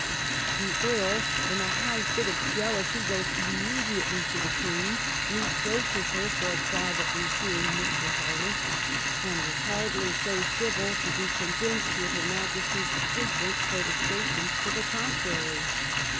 The Earl, in a high fit of jealousy, goes immediately to the Queen, reproaches her for privately seeing Mr. Harley, and was hardly so civil to be convinced with her Majesty's frequent protesta tions to the contrary."